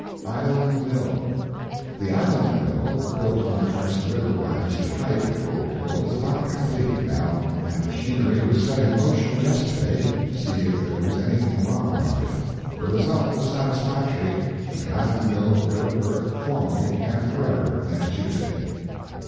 ISLAND MILL.—The Island Mill, built on Carson river by Mr. Hite, of Gold Hill, is about completed now, and the machinery was set in motion yesterday to see if there was anything wrong about it. The result was satisfactory, and the Island Mill will go to work formally and forever next Tuesday.